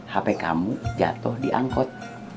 hp kamu jatuh di angkot